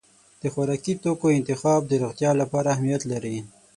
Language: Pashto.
د خوراکي توکو انتخاب د روغتیا لپاره اهمیت لري.